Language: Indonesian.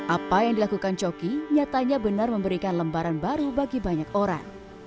apa yang dilakukan coki nyatanya benar memberikan lembaran baru bagi banyak orang